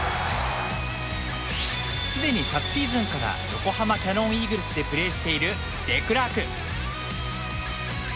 すでに昨シーズンから横浜キヤノンイーグルスでプレーしている、デクラーク。